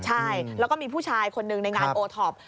ใช่แล้วก็มีผู้ชายคนหนึ่งในงานโอท็อป